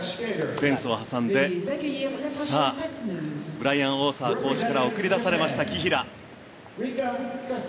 フェンスを挟んでブライアン・オーサーコーチから送り出されました、紀平。